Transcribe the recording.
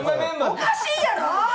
おかしいやろ。